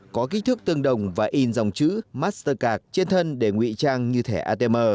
có kích thước tương đồng và in dòng chữ mastercard trên thân để ngụy trang như thẻ atm